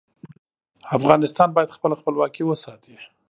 افغانستان باید خپله خپلواکي وساتي.